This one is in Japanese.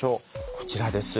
こちらです。